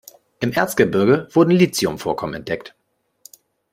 Im Erzgebirge wurden Lithium-Vorkommen entdeckt.